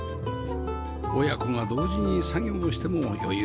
親子が同時に作業しても余裕がありますね